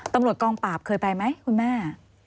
ตำรวจกองปราบเคยไปไหมคุณแม่